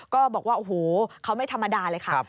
ก็บอกว่าโอ้โหเขาไม่ธรรมดาเลยค่ะ